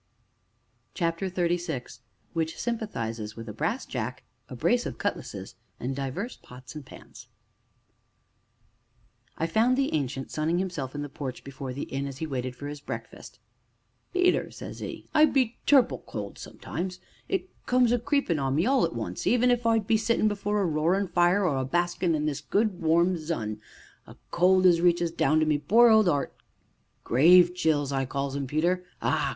CHAPTER XXXVI WHICH SYMPATHIZES WITH A BRASS JACK, A BRACE OF CUTLASSES, AND DIVERS POTS AND PANS I found the Ancient sunning himself in the porch before the inn, as he waited for his breakfast. "Peter," said he, "I be tur'ble cold sometimes. It comes a creepin' on me all at once, even if I be sittin' before a roarin' fire or a baskin' in this good, warm sun a cold as reaches down into my poor old 'eart grave chills, I calls 'em, Peter ah!